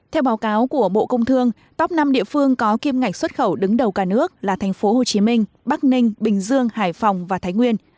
theo báo cáo của bộ công thương top năm địa phương có kim ngạch xuất khẩu đứng đầu cả nước là thành phố hồ chí minh bắc ninh bình dương hải phòng và thái nguyên